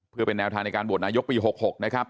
เพื่อเป็นแนวทางในการโหวตนายกปี๖๖นะครับ